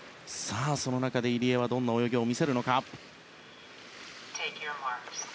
その中で入江がどんな泳ぎを見せるか。